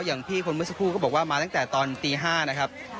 อย่างพี่คนเมื่อสักครู่ก็บอกว่ามาตั้งแต่ตอนตี๕นะครับ